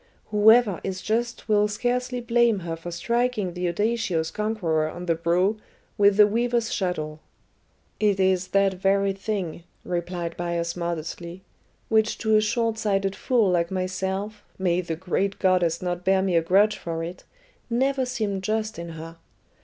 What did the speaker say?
Whoever is just will scarcely blame her for striking the audacious conqueror on the brow with the weaver's shuttle." "It is that very thing," replied Bias modestly, "which to a short sighted fool like myself may the great goddess not bear me a grudge for it! never seemed just in her.